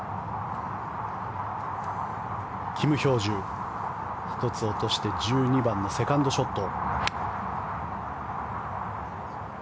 キム・ヒョージュ１つ落として１２番のセカンドショット。